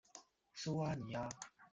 苏阿尼阿。